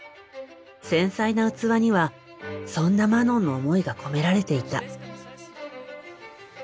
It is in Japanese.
繊細な器にはそんなマノンの思いが込められていた。